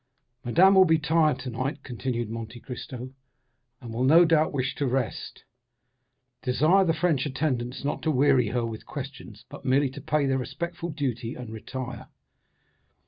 "Madame will be tired tonight," continued Monte Cristo, "and will, no doubt, wish to rest. Desire the French attendants not to weary her with questions, but merely to pay their respectful duty and retire.